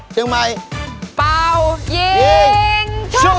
เป้ายิงชุด